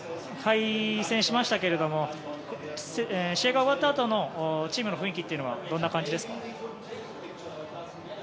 敗戦しましたけれども試合が終わったあとのチームの雰囲気というのはどんな感じですか？